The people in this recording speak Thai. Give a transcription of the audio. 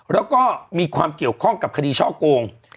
แล้วก็มีความเกี่ยวข้องกับคดีช่อโกง